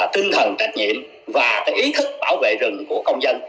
tinh thần trách nhiệm và ý thức bảo vệ rừng của công dân